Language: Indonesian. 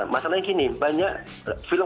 masalahnya gini banyak film